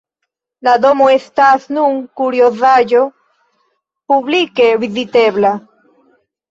La domo estas nun kuriozaĵo publike vizitebla.